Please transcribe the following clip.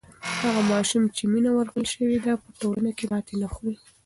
هغه ماشوم چې مینه ورکړل سوې ده په ټولنه کې ماتی نه خوری.